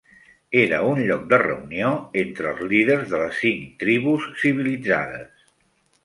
Era un lloc de reunió entre els líders de les cinc tribus civilitzades.